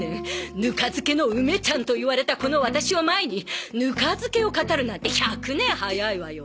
「ぬか漬けの梅ちゃん」と言われたこのワタシを前にぬか漬けを語るなんて１００年早いわよ。